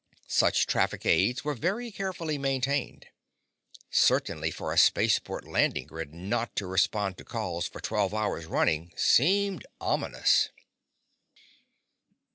Such traffic aids were very carefully maintained. Certainly for a spaceport landing grid not to respond to calls for twelve hours running seemed ominous.